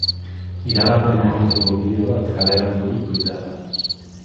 Iragarpena egiteko bideo bat kaleratu du twitterren.